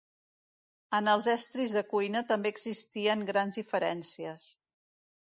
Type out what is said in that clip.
En els estris de cuina també existien grans diferències.